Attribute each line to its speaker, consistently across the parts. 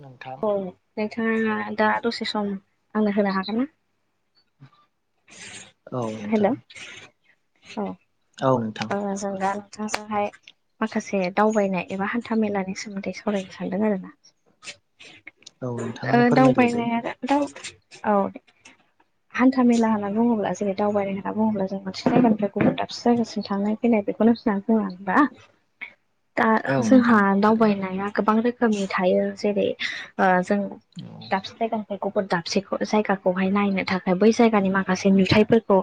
Speaker 1: नोंथां
Speaker 2: औ नोंथाङा दा दसे सम आंनो होनो हागोन ना
Speaker 1: औ
Speaker 2: हेल'
Speaker 1: नोंथां
Speaker 2: औ
Speaker 1: औ नोंथां।
Speaker 2: ओ जों दा नोंथांजोंहाय माखासे दावबायनाय एबा हान्था मेलानि सोमोन्दै सावरायनो सानदों आरो ना
Speaker 1: औ
Speaker 2: औ
Speaker 1: नोंथाङानो फोरमायग्रोदो
Speaker 2: दावबायनाया दा औ हान्था मेला होनना बुङोब्ला जेरै दावबायनाय होनना बुङोब्ला जों मोनसे जायगानिफ्राय गुबुन दाबसे जायगासिम थांनाय फैनाय बेखौनो दा
Speaker 1: औ नोंथां
Speaker 2: जोंहा
Speaker 1: थारैनो
Speaker 2: दावबायनाया गोबां रो रोखोमनि थायो जेरै जों दाबसे जायगानि गुबुर दाबसेखौ जायगाखौहाय नायनो थाखाय बै जायगानि माखासे नुथायफोरखौ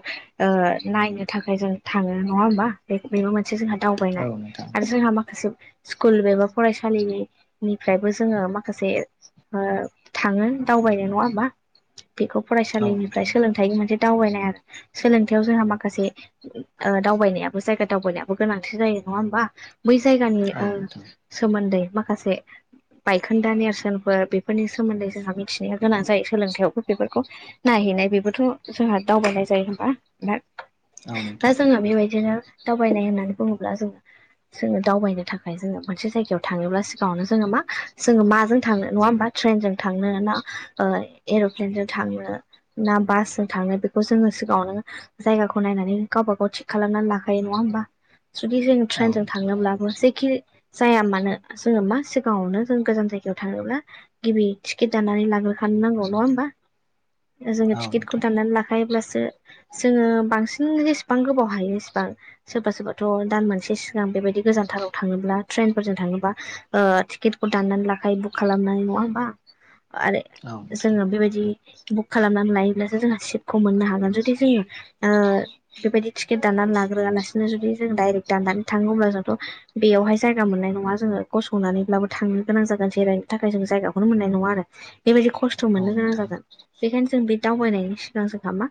Speaker 2: नायनो थाखाय जों थाङो। नङा होमबा बे बेबो मोनसे जोंहा
Speaker 1: औ
Speaker 2: दावबायनाय
Speaker 1: नोंथां
Speaker 2: आरो जोंहा माखासे स्कुल एबा फरायसालिनिफ्रायबो जोङो माखासे थाङो दावबायनो नङा होमबा बेखौ
Speaker 1: औ
Speaker 2: फरायसालिनिफ्राय
Speaker 1: नोंथां
Speaker 2: सोलोंथाइ मोनसे दावबायनाय आरो सोलोंथायाव जोंहा माखासे दावबायनायाबो जायगा दावबायनायाबो गोनांथि जायो नङा होमबा बै जायगानि
Speaker 1: औ
Speaker 2: ओ
Speaker 1: नोंथां
Speaker 2: सोमोन्दै माखासे बायखोन्दा नेरसोनफोर बेफोरनि सोमोन्दै जोंहा मिथिनाया गोनां जायो सोलोंथायावबो बेफोरखौ नायहैनाय बेबोथ' जोंहा दावबायनाय जायो होमबा दा
Speaker 1: औ नोंथां
Speaker 2: दा जोङो बेबायदिनो दावबायनाय होननानै बुङोब्ला जोङो जोङो दावबायनो थाखाय जोङो मोनसे जायगायाव थाङोब्ला सिगाङावनो जोङो मा जोङो माजों थांनो नङा होमबा ट्रेनजों थांनो ना एर'प्लेनजों थांनो ना बासजों थाङो बेखौ जोङो सिगाङावनो जायगाखौ नायनानै गावबा गाव थि खालामनानै लाखायो नङा होमबा जुदि जों
Speaker 1: औ नोंथां औ
Speaker 2: ट्रेनजों थांनोब्लाबो जेखि जाया मानो जोङो मा सिगाङावनो जों गोजान जायगायाव थाङोब्ला गिबि टिकेट दाननानै लाग्रो थांनांगौ नङा होमबा जोङो टिकेटखौ
Speaker 1: नोंथां
Speaker 2: दाननानै ला लाखायोब्लासो जोङो बांसिन जेसेबां गोबाव हायो इसेबां सोरबा सोरबाथ' दान मोनसे सिगां बेबायदि गोजानथाराव थाङोब्ला ट्रेनफोरजों थाङोबा टिकेटखौ दान्नानै लाखायो बुक खालामनाय नङा होमबा आरो
Speaker 1: औ नोंथां
Speaker 2: जोंङो बेबायदि बुक खालामनानै लायोब्लासो जोंयो सिटखौ मोननो हागोन जुदि जोङो बेबायदि टिकेट दाननानै लाग्रोआलासिनो जुदि जों डाइरेक्ट दाननानै थाङो अब्ला जोंथ' बेयावहाय जायगा मोननाय नङा जोङो गसंनानैब्लाबो थांनो गोनां जागोन जिरायनो थाखाय जों जायगाखौनो मोननाय नङा आरो। बेबायदि खस्थ'
Speaker 1: औ
Speaker 2: मोननो गोनां
Speaker 1: नोंथां
Speaker 2: जागोन बेखायनो जों बे दावबायनायनि सिगां जोंहा मा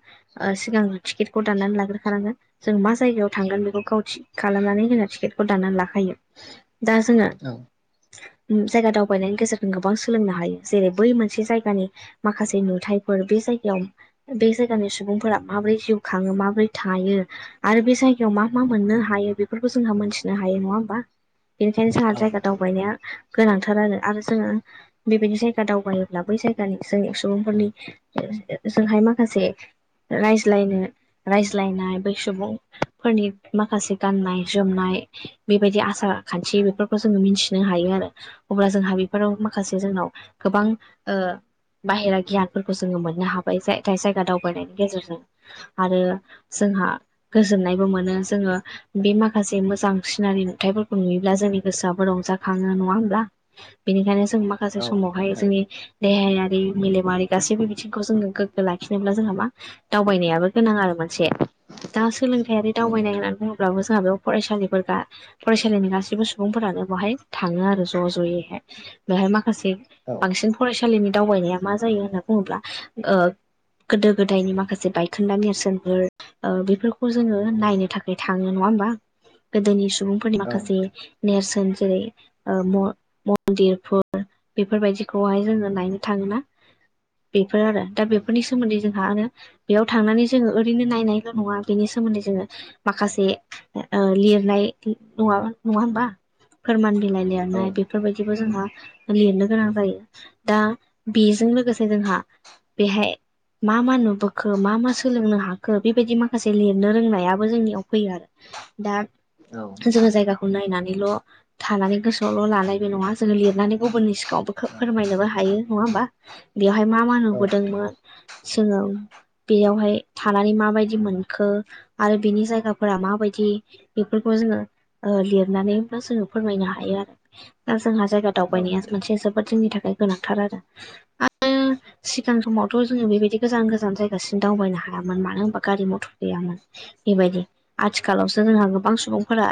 Speaker 2: सिगां टिकेटखौ दाननानै लाग्रोखानांगोन जों मा जायगायाव थांगोन बेखौ गाव थि खालामनानै जोङो टिकेटखौ दानानानै लाखायो दा जोङो
Speaker 1: औ
Speaker 2: जायगा दावबायनायनि गेजेरजों गोबां सोलोंनो हायो जेरै बै मोनसे जायगानि माखासे नुथायफोर बे जायगायाव बे जायगानि सुबुंफोरा माबोरै जिउ खाङो माबोरै थायो। आरो बे जायगायाव मा मा मोननो हायो बेफोरखौ जोंहा मोनथिनो हायो नङा होमबा। बेनिखायनो जोंहा
Speaker 1: औ
Speaker 2: जायगा
Speaker 1: नोंथां
Speaker 2: दावबायनाया गोनांथार आरो आरो जोङो बेबायदि जायगा दावगायोब्ला बै जायगानि जोंनि सुबुंफोरनि जोंहाय माखासे रायज्लायनो रायज्लायनाय बै सुबुंफोरनि माखासे गाननाय जोमनाय बेबायदि आसार खान्थि बेफोरखौ जोङो मिथिनो हायो आरो। अब्ला जोंहा बेफोराव माखासे जोंनाव गोबां ओ बाहेरा गियानफोरखौ जोङो मोननो हाबाय जाय जायगा दावबायनायनि गेजेरजों। आरो जोंहा गोजोननायबो मोनो जोङो बे माखासे मोजां सिनारि नुथायाइफोरखौ नुयोब्ला जोंनि गोसोआबो रंजाखाङो नङा होमब्ला। बेनिखायनो जों माखासे
Speaker 1: औ नोंथां
Speaker 2: समावहाय जोंनि
Speaker 1: थारैनो
Speaker 2: देहायारि मेलेमारि गासैबो बिथिंखौ जोङो गोग्गो लाखिनोब्ला जोंहा मा दावबायनायाबो गोनां आरो मोनसे दा सोलोंथायाइारि
Speaker 1: औ नोंथां औ नोंथां औ
Speaker 2: दावबायनाय होननानै बुंङोब्लाबो जोंहा बेयाव फरायसालिफोर फरायसालिनि गासैबो सुबुंफोरानो बहाय थाङो आरो ज' ज'यैहाय बेहाय माखासे बांसिन फरायसालिनि दावबायनाया मा जायो होनना बुङोब्ला गोदो गोदायनि माखासे बायखोन्दा नेरसोनफोर बेफोरखौ जोङो नायनो थाखाय थाङो नङा होमबा गोदोनि सुबुंफोरनि माखासे नेरसोन जेरै मन्दिरफोर बेफोरबायाददिखौहाय जोङो नायनो थाङोना बेफोर आरो दा बेफोरनि सोमोन्दै जोंहा आरो बेयाव थांनानै जोङो ओरैनो नायनाय नङा बेनि सोमोन्दै जोङो माखासे लिरनाय नङा नङा हमबा फोरमान बिलाइ लिरनाय
Speaker 1: नोंथां
Speaker 2: बेफोरबायदि बिदिबो जोंहा लिरनो गोनां जायो दा बेजों लोगोसे जोंहा बेहाय मा मा नुबोखो मा मा सोलोंनो हाखो बेबायदि माखासे लिरनो रोंनायाबो जोंनियाव फैयो आरो दा जोङो जायगाखौ नायनानैल' थानानै गोसोआवल' लानायबो नङा जोङो लिरनानै गुबुननि गावबो
Speaker 1: औ
Speaker 2: फोरमायनोबो हायो नङा होमबा बेवहाय मा मा
Speaker 1: नोंथां औ नोंथां
Speaker 2: नुबोदोंमोन। जोङो बेयावहाय थानानै मा माबायदि मोनखो आरो बिनि जायगाफोरा माबायदि बेफोरखौ जोङो ओ लिरनानैबो जोङो फोरमायनो हायो आरो दा जोंहा जायगा
Speaker 1: औ औ नोंथां औ
Speaker 2: दावबायनाया
Speaker 1: नोंथां
Speaker 2: मोनसे जोब जोबोद जोंनि थाखाय गोनांथार आरो आरो सिगां समावथ' जोङो बेबायदि गोजान गोजान जायगासिम दावबायनो हायामोन मानो होनबा गारि मथर गैयामोन। बेबायदि आथिखालावसो जोंहा गोबां सुबुंफोरा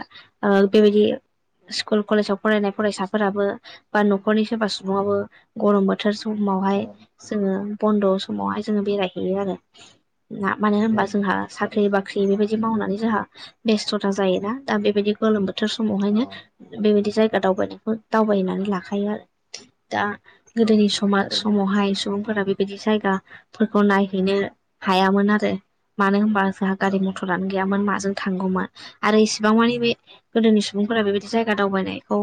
Speaker 2: बेबायदि स्कुल कलेजाव फरायनाय फरायसाफोराबो बा न'खरनि सोरबा सुबुफोराबो गरम बोथोर समावहाय
Speaker 1: औ
Speaker 2: जोङो बन्द' समावहाय जोङो बेरायहैयो आरो ना मानो
Speaker 1: औ
Speaker 2: होनबा जोंहा
Speaker 1: नोंथां
Speaker 2: साख्रि
Speaker 1: थारैनो
Speaker 2: बाख्रि बेबायदि मावनानै जोंहा बेस्थ'था जायोना दा बेबायदि गोलोम बोथोर
Speaker 1: औ
Speaker 2: समावहायनो बेबायदि जायगा दावबायनायखौ दावबायनानै लाखायो आरो दा
Speaker 1: औ
Speaker 2: गोदोनि
Speaker 1: नोंथां
Speaker 2: सम
Speaker 1: थारैनो
Speaker 2: समावहाय सुबुंफोरा फोर बेबायदि जायगाफोरखौ नायहैनो हायामोन आरो मानो होनबा जोंहा
Speaker 1: औ
Speaker 2: गारि मथरानो गैामोन माजों थांगौमोन आरो इसेबां मानि बे गोदोनि सुबुंफोरा बेबायदि जायगा दावबायनायखौ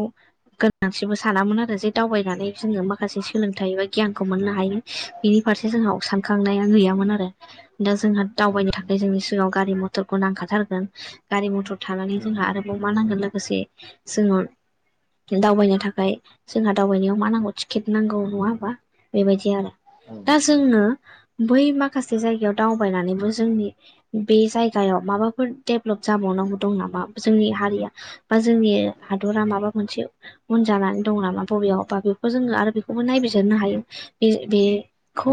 Speaker 2: गोनांथिबो सानामोन आरो जे दावबायनानै जोङो माखासे सोलोंथाइ एबा गियानखौ मोननो हायो। बिनि फारसे जोंहा सानखांनाया गैयामोन आरो दा जोंहा दावबायनो थाखाय जोंनि सिगाङाव गारि मथर मथरखौ नांखाथारगोन गारि मथर थानानै
Speaker 1: औ
Speaker 2: जोंहा आरोबाव मा नांगोन लोगोसे जोङो दावबायनो थाखाय जोंहा दावबायनायाव मा नांगौ टिकेट नांगौ नङा हबा बेबायदि आरो दा
Speaker 1: नोंथां
Speaker 2: जोंङो बै माखासे जायगायाव दावबायनानैबो जोंनि बे जायगायाव माबाफोर डेभलप जाबावनांगौ दं नामा जोंनि हारिया बा जोंनि हादरा माबा मोनसे उन जानानै दं नामा बबेयाव बा बेखौ जोङो आरो बेखौबो नायबिजिरनो हायो बे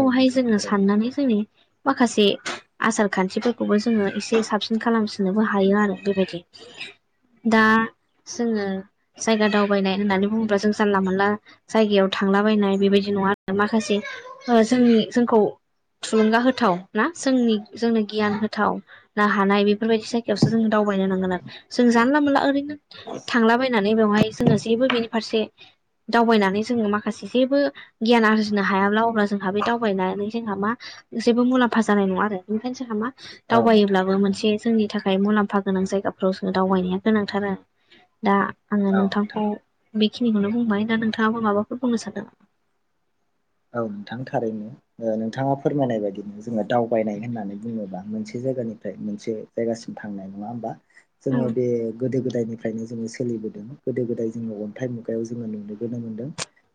Speaker 1: औ नोंथां
Speaker 2: जोङो
Speaker 1: थारैनो
Speaker 2: साननानै जोंनि माखासे आसार खान्थिफोरखौबो जोङो एसे साबसिन खालामसिननोबो हायो आरो बेबायदि दा जोङो जायगा दावबायनाय होननानै बुङोब्ला जों जानला मोनला जायगायाव थांलाबायनाय बेबायदि नङा आरो
Speaker 1: औ
Speaker 2: माखासे जोंनि जोंखौ थुलुंगा होथाव ना जोंनि जोंनो गियान होथाव ना हानाय बेफोरबायदि जायगायावसो जों दावबायनो नांगोन आरो जों जानला मोनला ओरैनो थांलाबायनानै बेवहाय जोङो जेबो बेनि फारसे दावबायनानै जोङो माखासे जेबो गियान आरजिनो हायाब्ला अब्ला जोंहा बे दावबायनानै जोंहा मा जेबो मुलाम्फा जानाय नङा आरो ओखायनो जोंहा मा
Speaker 1: नोंथां
Speaker 2: दावबायोब्लाबो मोनसे
Speaker 1: थारैनो
Speaker 2: जोंनि थाखाय मुलाम्फा गोनां जायगाफ्राव जों दावबायनाया गोनांथार दा आङो
Speaker 1: औ नोंथां
Speaker 2: नोंथांखौ बेखिनिखौनो बुंबाय दा नोंथाङाबो माबाफोर बुंनो सानदों
Speaker 1: औ नोंथां थारैनो नोंथाङा फोरमायनाय बायदिनो जोङो दावबायनाय होननानै बुङोबा मोनसे जायगानिफ्राय मोनसे जायगासिम थांनाय नङा होमबा
Speaker 2: औ
Speaker 1: जोङो बे गोदो गोदायनिफ्रायनो जोङो सोलिबोदों गोदो गोदाय जोङो अन्थाइ मुगायाव जोङो नुबोनो मोनदों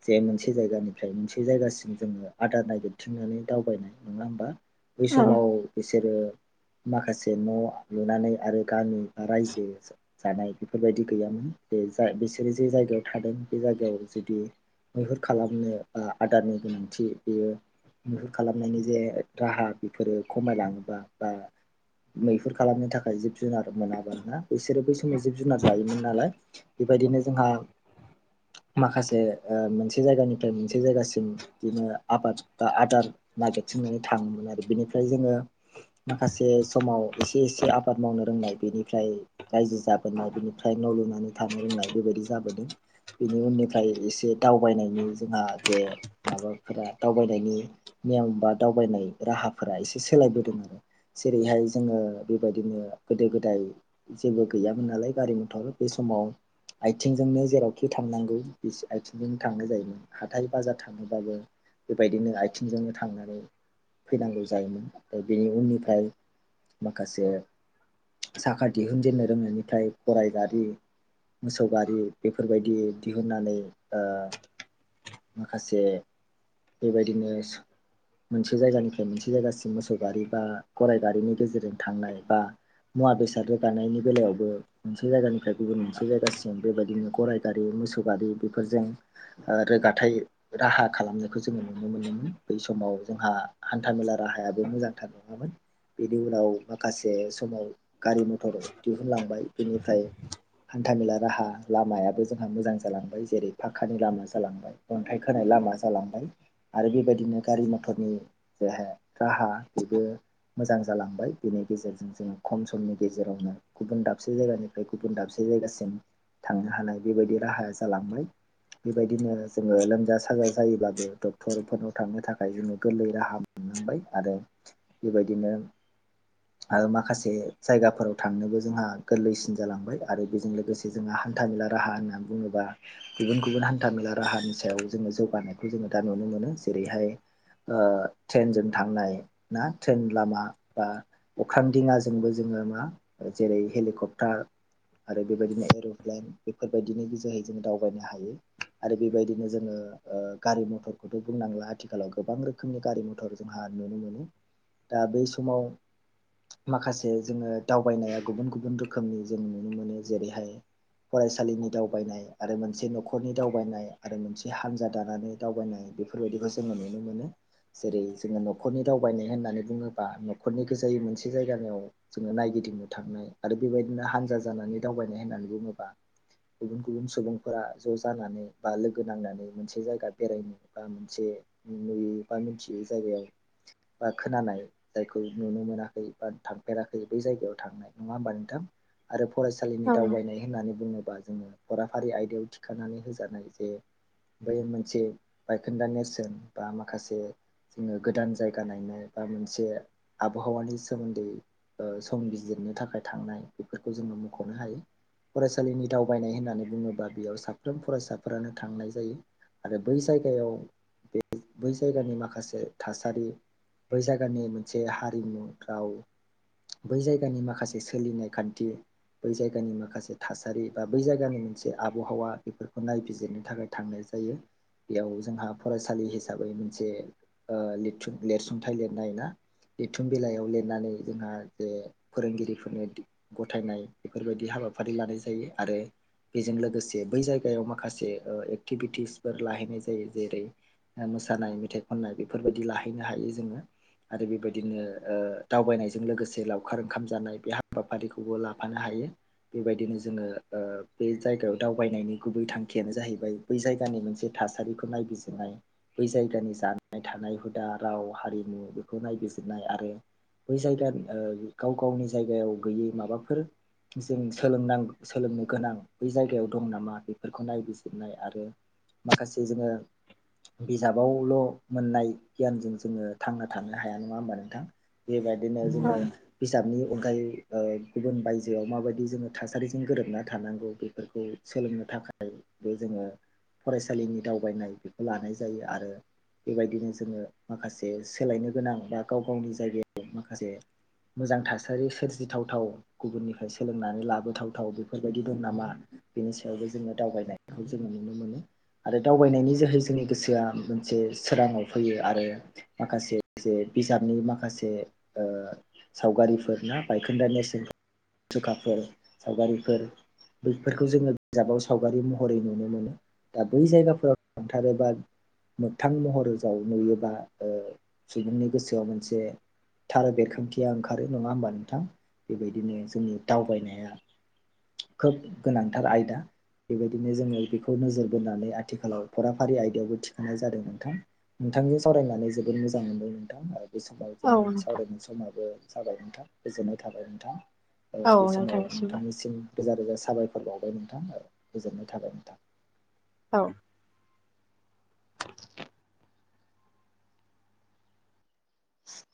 Speaker 1: जे मोनसे जायगानिफ्राय मोनसे जायगासिम जोङो आदा नायगिरथिंनानै दावबायनाय नङा होमबा बै
Speaker 2: औ
Speaker 1: समाव बिसोरो माखासे न' लुनानै आरो गामि बा रायजो जानाय बेफोरबायदि गैयामोन जे जा बिसोरो जे जायगायाव थादों बे जायगायाव जुदि मैहुर खालामनो बा आदारनि गोनांथि बेयो मैहुर खालामनायनि जे राहा बेफोरो खमायलाङोबा बा मैहुर खालामनो थाखाय जिब जुनार मोनाबाना बिसोरो बै समाव जिब जुनार जायोमोन नालाय बेबायदिनो जोंहा माखासे मोनसे जायगानिफ्राय मोनसे जायगासिम बिदिनो आबाद बा आदार नागेरथिंनानै थाङोमोन आरो बिनिफ्राय जोङो माखासे समाव एसे एसे आबाद मावनो रोंनाय बेनिफ्राय रायजो जाबोनाय बिनिफ्राय न' लुनानै थानो रोंनाय बेबायदि जाबोदों बेनि उननिफ्राय एसे दावबायनायनि जोंहा जे माबाफोरा दावबायनायनि नेम बा दावबायनाय राहाफोरा एसे सोलायबोदों आरो जेरैहाय जोङो बेबायदिनो गोदो गोदाय जेबो गैयामोन नालाय गारि मथर बे समाव आथिंजोंनो जेरावखि थांनांगौ बि आथिंजोंनो थांनाय जायोमोन हा हाथाइ बाजार थाङोबाबो बेबायदिनो आथिंजोंनो थांनानै फैनांगौ जायोमोन बेनि उननिफ्राय माखासे साखा दिहुनजेननो रोंनायनिफ्राय गराय गारि मोसौ गारि बेफोरबायदि दिहुननानै ओ माखासे बेबायदिनो मोनसे जायगानिफ्राय मोनसे जायगासिम मोसौ गारि बा गराइ गारिनि गेजेरजों थांनाय बा मुवा बेसाद रोगानायनि बेलायावबो मोनसे जायगानिफ्राय गुबुन मोनसे जायगासिम बेबायदिनो गराय गारि मोसौ गारि बेफोरजों रोगाथाय राहा खालामनायखौ जोङो नुनो मोनोमोन बै समाव जोंहा हान्था मेला राहायाबो मोजांथार नङामोन बेनि उनाव माखासे समाव गारि मथर दिहुनलांबाय बेनिफ्राय हान्थामेला राहा लामायाबो जोंहा मोजां जालांबाय जेरै पाकानि लामा जालांबाय अन्थाइ खोनाय लामा जालांबाय आरो बेबायदिनो गारि मथरनि [unintelligible] बिबो मोजां जालांबाय बेनि गेजेरजों जोङो खम समनि गेजेरावनो गुबुन दाबसे जायगानिफ्राय गुबुन दाबसे जायगासिम थांनो हानाय बेबायदि राहाया जालांबाय बेबायदिनो आरो जोङो लोमजा साजा जायोब्लाबो डक्टरफोरनाव थांनो थाखाय जोङो गोरलै राहा मोननांबाय आरो बेबायदिनो
Speaker 2: [inaudible]
Speaker 1: माखासे जायगाफोराव थांनोबो जोंहा गोरलैसिन जालांबाय आरो बेजों लोगोस से जोङो हान्था मेला राहा होनना बुङोबा गुबुन गुबुन हान्था मेला राहानि सायाव जोङो जौगानायखौ जोङो दा नुनो मोनो जेरैहाय ओ ट्रेनजों थांनाय ना ट्रेन लामा बा अख्रां दिङाजोंबो जोङो मा जेरै हेलिकप्टार आरो बेबायदिनो एर'प्लेन बेफोरबायदिनि जोहै जोङो दावबायनो हायो। आरो बेबायदिनो जोङो गारि मथरखौथ' बुंनांला आथिखालाव गोबां रोखोमनि गारि मथर जोंहा नुनो मोनो। दा बै समाव माखासे जोङो दावबायनाया गुबुन गुबुन रोखोमनि जों नुनो मोनो। जेरैहाय फरायसालिनि दावबायनाय आरो मोनसे न'खरनि दावबायनाय आरो मोनसे हान्जा दानानै दावबायनाय बेफोरबायदिखौ जोङो नुनो मोनो। जेरै जोङो न'खरनि दावबायनाय होननानै बुङोबा न'खरनि गोजायै मोनसे जायगानियाव जोङो नायगिदिंनो थांनाय आरो बेबायदिनो हानजा जानानै दावबायनाय होननानै बुङोब्ला गुबुन गुबुन सुबुंफोरा ज' जानानै बा लोगो नांनानै मोनसे जायगा बेरायनो बा मोनसे नुयै बा मिन्थियै जायगायाव बा खोनानाय जायखौ नुनो मोनाखै बा थांफेराखै बै जायगायाव थांनाय नङा होमबा नोंथां? आरो फरायसालिनि
Speaker 2: औ
Speaker 1: दावबायनाय होननानै बुङोबा जोङो फराफारि आयदायाव थिखांनानै होजानाय जे बै मोनसे बायखोन्दा नेरसोन बा माखासे जोङो गोदान जायगा नायनो बा मोनसे आबहावानि सोमोन्दै ओ सम बिजिरनो थाखाय थांनाय बेफोरखौ जोङो मख'नो हायो। फरायसालिनि दावबायनाय होन्नानै बुङोब्ला बेयाव सा फ्रोम फरायसाफोरानो थांनाय जायो आरो बै जायगायाव बे बै जायगानि माखासे थासारि बै जायगानि मोनसे हारिमु राव बै जायगानि माखासे सोलिनाय खान्थि बै जायगानि माखासे थासारि बा बै जायगानि मोनसे आबहावा बेफोरखौ नायबिजिरनो थाखाय थांनाय जायो। बेयाव जोंहा फरायसालि हिसाबै मोनसे ओ लिथसुं लेरसुंथाइ लिरनाय ना लिदथुम बिलाइयाव लिरनानै जोंहा जे फोरोंगिरिफोरनो दि गथायनाय बेफोरबायदि हाबाफारि लानाय जायो आरो बेजों लोगोसे बै जाय गायाव माखासे ओ एक्टिभिटिसफोर लाहैनाय जायो जेरै ओ मोसानाय मेथाइ खननाय बेफोरबायदि लाहैनो हायो जोङो। आरो बेबायदिनो दावबायनायजों लोगोसे लावखार ओंखाम जानाय बे हाबाफारिखौबो लाफानो हायो। बेबायदिनो जोङो ओ बे जायगायाव दावबायनायनि गुबै थांखियानो जाहैबाय बै जायगानि मोनसे थासारिखौ नायबिजिरनाय। बै जायगानि जानाय थानाय हुदा राव हारिमु बेखौ नायबिजिरनाय आरो बै जायगानि ओ गाव गावनि जायगायाव गैयै माबाफोर जों सोलोंनां सोलोंनो गोनां बै जायगायाव दं नामा बे फोरखौ नायबिजिरनाय आरो माखासे जोङो बिजाबावल' मोननाय गियानजों जोङो थांना थानो हाया। नङा होमबा नोंथां? बेबायदिनो जोङो
Speaker 2: औ
Speaker 1: बिजाबनि अनगायै ओ गुबुन बायजोआव माबायदि जोङो थासारिजों गोरोबना थानांगौ बेफोरखौ सोलोंनो थाखाय बो जोङो फरायसालिनि दावबायनाय बेखौ लानाय जायो आरो बेबायदिनो जोङो माखासे सोलायनो गोनां बा गाव गावनि जायगायाव माखासे मोजां थासारि सोरजिथावथाव गुबुननिफ्राय सोलोंनानै लाबोथावथाव बेफोरबायदि दं नामा बेनि सायावबो जोङो दावबायनायखौ जोङो नुनो मोनो आरो दावबायनायनि जोहै जोंनि गोसोआ मोनसे सोराङाव फैयो आरो माखासे जे बिजाबनि माखासे ओ सावगारिफोरना बायखोन्दा नेरसोन मुसुखाफोर सावगारिफोर बैफोरखौ जोङो बिजाबाव सावगारि महरै नुनो मोनो दा बै जायगाफोराव थांथारोबा मोगथां महर जाव नुयोबा सुबुंनि गोसोआव मोनसे थार बेरखांथिया ओंखारो नङा होमबा नोंथां बेबायदिनो जोंनि दावबायनाया खोब गोनांथार आयदा बेबायदिनो जोङो बेखौ नोजोर बोनानै आथिखालाव फरा फारि आयदायावबो थिखांनाय जादों नोंथां नोंथांजों सावरायनानै जोबोद मोजां मोनदों नोंथां आरो बे समाव
Speaker 2: औ
Speaker 1: जोंनि
Speaker 2: नोंथां
Speaker 1: सावरायनाय समाबो जाबाय नोंथां गोजोननाय थाबाय नोंथा
Speaker 2: औ
Speaker 1: बे समाव
Speaker 2: नोंथांनिसिमबो
Speaker 1: नोंथांनिसिम रोजा रोजा साबायफोर बावबाय नोंथां गोजोननाय थाबाय नोंथां
Speaker 2: औ
Speaker 1: [inaudible] [inaudible]